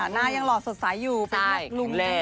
หน้ายังหล่อสดใสอยู่เป็นแหลกลุงจริง